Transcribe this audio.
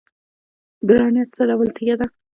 ګرانیټ څه ډول تیږه ده؟